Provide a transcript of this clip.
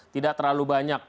tidak terlalu banyak